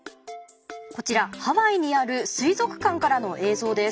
こちらハワイにある水族館からの映像です。